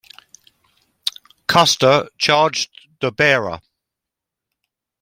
Custer charged the bearer.